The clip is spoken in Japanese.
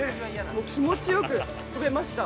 気持ちよく飛べました。